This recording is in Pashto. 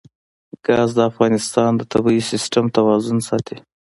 ګاز د افغانستان د طبعي سیسټم توازن ساتي.